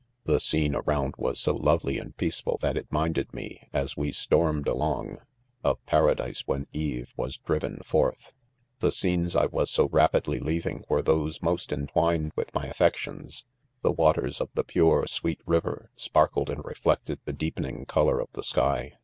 .The . scene around was so lovely and' "peaceful that it minded rae, as we §#8li|t^ alongj, of para ? clise .when Eve was drii' 18& ■ WOMEN* 6 The scenes I was so rapidly leaving were those most entwined with my affections. The waters of the pure^ 'sweet fiver, sparkled and reflected the deepening color of the sky.